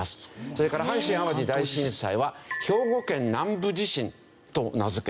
それから阪神・淡路大震災は兵庫県南部地震と名付けたんですね。